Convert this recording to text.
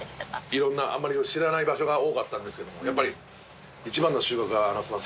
いろんなあまり知らない場所が多かったんですけどもやっぱり一番の収穫はすいません。